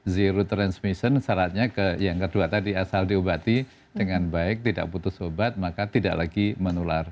zero transmission syaratnya yang kedua tadi asal diobati dengan baik tidak putus obat maka tidak lagi menular